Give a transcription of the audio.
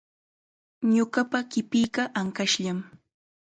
Ñuqapa qipiiqa ankashllam.